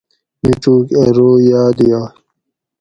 میڄوُک اۤ رو یاد یائ